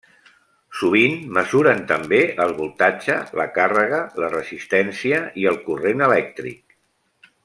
Sovint mesuren també el voltatge, la càrrega, la resistència i el corrent elèctric.